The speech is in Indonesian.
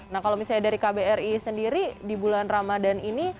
nah kalau misalnya dari kbri sendiri di bulan ramadan ini